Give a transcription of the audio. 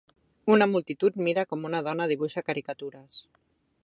Una multitud mira com una dona dibuixa caricatures.